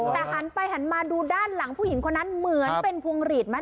แต่หันไปหันมาดูด้านหลังผู้หญิงคนนั้นเหมือนเป็นพวงหลีดไหม